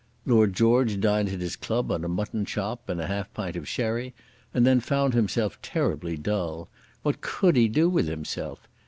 Lord George dined at his club on a mutton chop and a half a pint of sherry, and then found himself terribly dull. What could he do with himself?